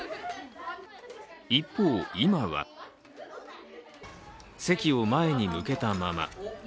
一方、今は席を前に向けたまま。